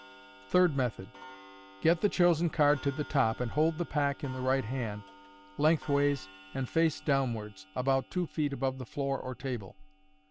Third Method. — Get the chosen card to the top, and hold the pack in the right hand, lengthways and face downwards, about two feet above the floor or table.